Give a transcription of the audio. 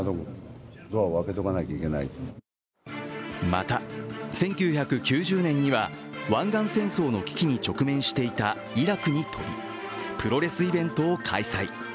また、１９９０年には湾岸戦争の危機に直面していたイラクに飛び、プロレスイベントを開催。